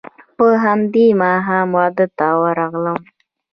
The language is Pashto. په همدې ماښام واده ته ورغلم.